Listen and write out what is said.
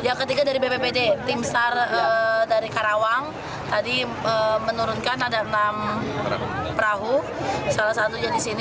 yang ketiga dari bppd timstar dari karawang tadi menurunkan ada enam perahu salah satu juga di sini